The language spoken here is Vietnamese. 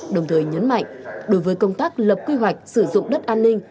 đồng thời nhấn mạnh đối với công tác lập quy hoạch sử dụng đất an ninh